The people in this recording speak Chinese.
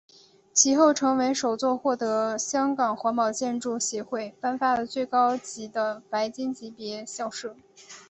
其后成为首座获得香港环保建筑协会颁发最高级的白金级别校舍。